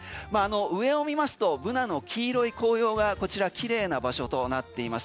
上を見ますと、ブナの黄色い紅葉が綺麗な場所となっています。